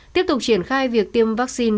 tiếp tục triển khai việc tiêm vaccine